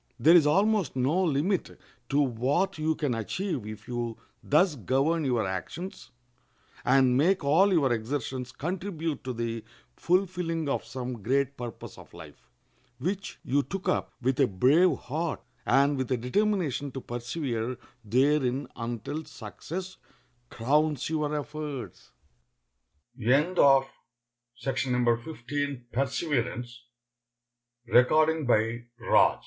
There is almost no limit to what you can achieve if you thus govern your actions, and make all your exertions contribute to the fulfilling of some great purpose of life, which you took up with a brave heart, and with a determination to persevere therein until success crowns your efforts. [Ill